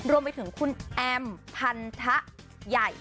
รวมไปถึงคุณแอมพันธะใหญ่